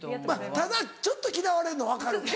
ただちょっと嫌われるの分かる。